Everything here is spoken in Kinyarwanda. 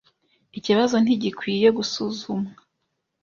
Ikibazo ntigikwiye gusuzumwa.